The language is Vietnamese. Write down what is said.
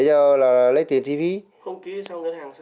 không ký thì xong ngân hàng sao